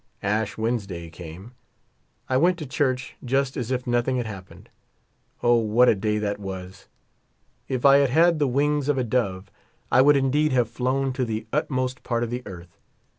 Ash Wednesday came. I went to church just as if nothing had happened. Oh! what a day that was. If I had had the wings of a dove I would indeed have flown to the utmost part of the earth.